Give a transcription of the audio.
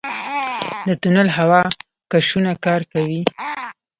د تونل هوا کشونه کار کوي؟